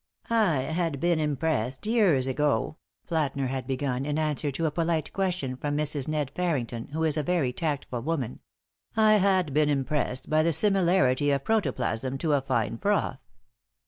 "I had been impressed, years ago," Plätner had begun, in answer to a polite question from Mrs. "Ned" Farrington, who is a very tactful woman; "I had been impressed by the similarity of protoplasm to a fine froth."